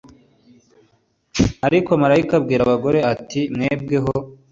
ariko marayika abwira abagore ati mwebweho